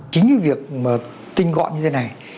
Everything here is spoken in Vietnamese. chính vì việc tinh gọn như thế này